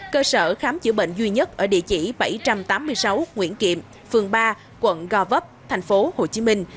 cơ sở khám chữa bệnh duy nhất ở địa chỉ bảy trăm tám mươi sáu nguyễn kiệm phường ba quận gò vấp thành phố hồ chí minh